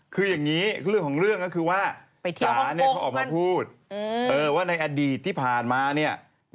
คือของผู้หญิงที่ผ่านมาเนี่ย